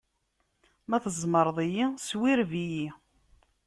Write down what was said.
Ma tzemṛeḍ-iyi, swireb-iyi!